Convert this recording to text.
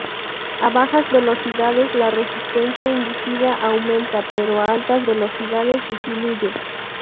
A bajas velocidades, la Resistencia Inducida aumenta, pero a altas velocidades disminuye.